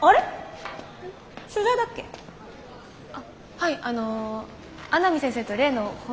あっはいあの阿南先生と例の法律事務所に。